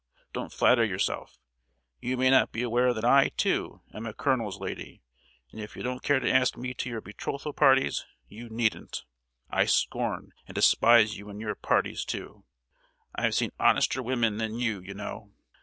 Tfu! Don't flatter yourself; you may not be aware that I, too, am a colonel's lady! and if you don't care to ask me to your betrothal parties, you needn't: I scorn and despise you and your parties too! I've seen honester women than you, you know!